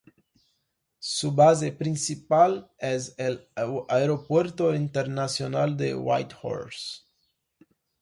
Su base principal es el Aeropuerto Internacional de Whitehorse.